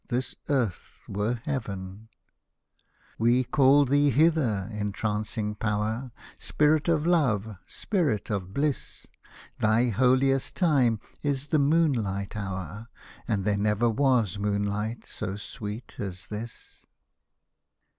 This earth were heaven ! We call thee hither, entrancing Power ! Spirit of Love ! Spirit of Bliss ! Thy hohest time is the moonlight hour. And there never was moonlight so sweet as this.